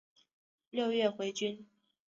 六月回军。